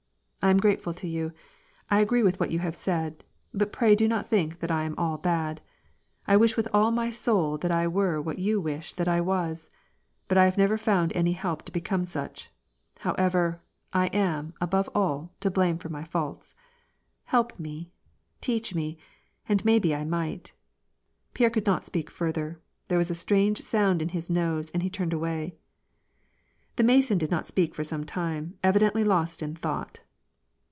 "Tarn grateful to you. I agree with what you have said. But pray do not think that I am all bad ! I wish with all my soul that I were what you wish that I was — but I have never found any help to become such; however, I am, above all, to blame for ray faults. Help me I teach me, and maybe T might "— Pierre could not speak further. There was a strange sound in his nose, and he turned away. The Mason did not speak for some time, evidently lost in thought.